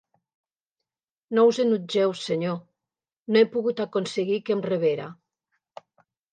No us enutgeu, senyor; no he pogut aconseguir que em rebera;